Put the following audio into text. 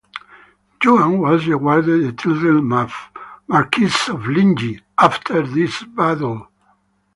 Duan was rewarded the title Marquis of Linji after this battle.